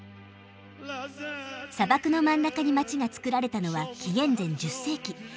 砂漠の真ん中に街がつくられたのは紀元前１０世紀。